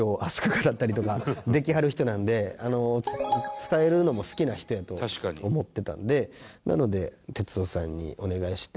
伝えるのも好きな人やと思っていたのでなので哲夫さんにお願いして。